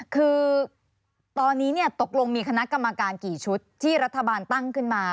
คือตอนนี้ตกลงมีคณะกรรมการกี่ชุดที่รัฐบาลตั้งขึ้นมา